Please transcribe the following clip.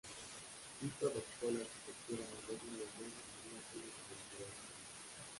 Tito adoptó la arquitectura moderna de nuevo como una seña de identidad nacional.